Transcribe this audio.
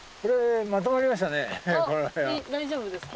あっ大丈夫ですか？